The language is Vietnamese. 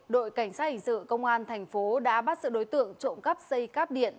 đội cảnh sát hình sự công an tp bumathuot đã bắt sự đối tượng trộm cắp xây cắp điện